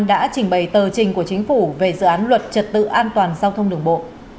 đã trình bày tờ trình của chính phủ về dự án luật trật tự an toàn giao thông đường bộ